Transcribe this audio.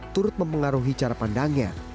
turut mempengaruhi cara pandangnya